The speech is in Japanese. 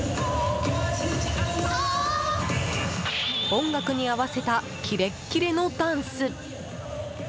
音楽に合わせたキレッキレのダンス。